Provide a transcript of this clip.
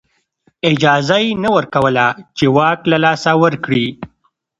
اجازه یې نه ورکوله چې واک له لاسه ورکړي.